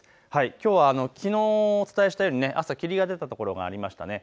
きょうはきのうお伝えしたように朝、霧が出たところもありましたね。